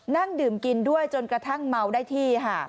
นั่งดื่มกินด้วยจนกระทั่งเมาได้ที่ค่ะ